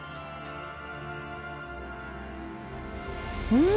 うん！